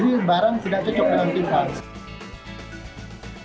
ini barang tidak cocok dengan tim pans